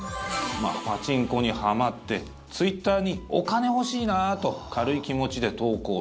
パチンコにはまってツイッターに、お金欲しいなと軽い気持ちで投稿。